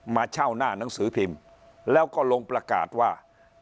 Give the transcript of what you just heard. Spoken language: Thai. มาเช่าหน้าหนังสือพิมพ์แล้วก็ลงประกาศว่า